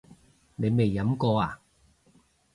你未飲過呀？